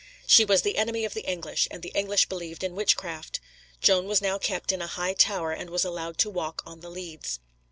She was the enemy of the English, and the English believed in witchcraft. Joan was now kept in a high tower and was allowed to walk on the leads.